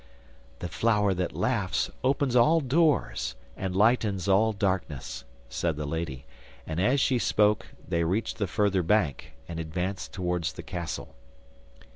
'The flower that laughs opens all doors and lightens all darkness,' said the lady; and as she spoke, they reached the further bank, and advanced towards the castle.